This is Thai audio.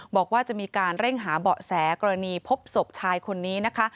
บอกว่าจะมีการเร่งหาเบาะแสกรณีพบศพชายคนนี้นะคะ